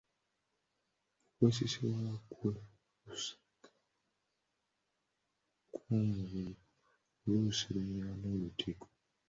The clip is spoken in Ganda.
Okwesisiwala kwe kwesika kw’omubiri oluusi lumera n’olutiko.